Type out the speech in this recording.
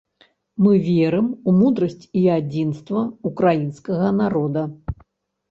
Мы верым у мудрасць і адзінства ўкраінскага народа!